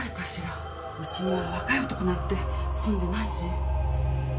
ウチには若い男なんて住んでないし。